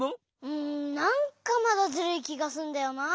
うんなんかまだズルいきがするんだよな。